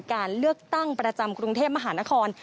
การเลือกตั้งประจำกรุงเทพมหานคร